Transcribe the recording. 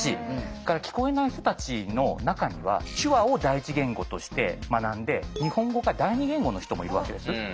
それから聞こえない人たちの中には手話を第一言語として学んで日本語が第二言語の人もいるわけです。